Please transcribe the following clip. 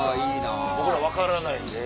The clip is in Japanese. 僕ら分からないんで。